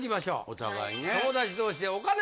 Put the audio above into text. お互いね。